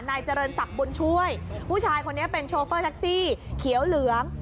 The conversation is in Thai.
นายเจริญศักดิ์บุญช่วยผู้ชายคนนี้เป็นโชเฟอร์แท็กซี่เขียวเหลือง